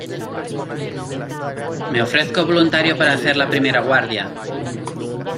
me ofrezco voluntario para hacer la primera guardia.